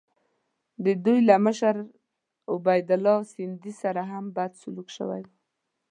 د دوی له مشر عبیدالله سندي سره هم بد سلوک شوی وو.